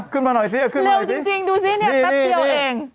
ขึ้นมาหน่อยสิเร็วจริงดูสินี่แป๊บเดียวเอง